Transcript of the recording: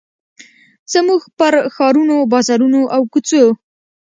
زموږ پر ښارونو، بازارونو، او کوڅو